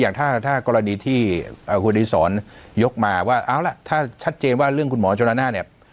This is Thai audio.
อย่างถ้ากรณีที่คุณอดีศรยกมาว่าเอาล่ะถ้าชัดเจนว่าเรื่องคุณหมอชนละนานเนี่ย